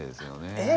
えっ！？